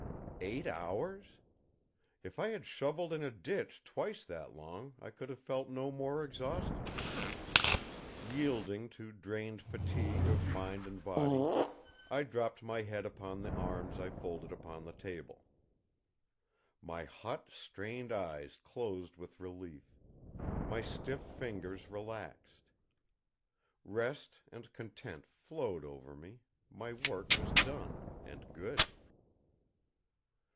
Eight hours? If I had shoveled in a ditch twice that long I could have felt no more exhausted. Yielding to drained fatigue of mind and body, I dropped my head upon the arms I folded upon the table. My hot, strained eyes closed with relief, my stiff fingers relaxed. Rest and content flowed over me; my work was done, and good.